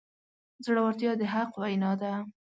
زړورتیا د حق وینا ده.